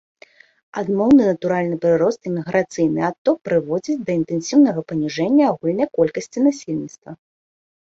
Адмоўны натуральны прырост і міграцыйны адток прыводзяць да інтэнсіўнага паніжэння агульнай колькасці насельніцтва.